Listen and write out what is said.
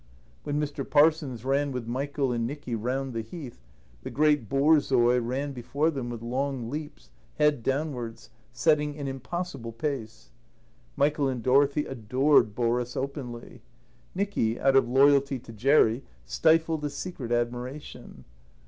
When Mr. Parsons ran with Michael and Nicky round the Heath, the great borzoi ran before them with long leaps, head downwards, setting an impossible pace. Michael and Dorothy adored Boris openly. Nicky, out of loyalty to Jerry, stifled a secret admiration.